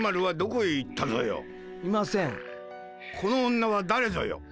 この女はだれぞよ。